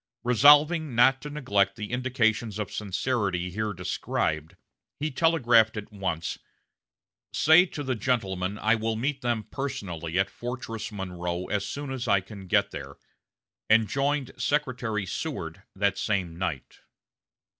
Resolving not to neglect the indications of sincerity here described, he telegraphed at once, "Say to the gentlemen I will meet them personally at Fortress Monroe as soon as I can get there," and joined Secretary Seward that same night.